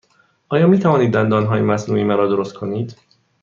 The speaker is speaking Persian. آیا می توانید دندانهای مصنوعی مرا درست کنید؟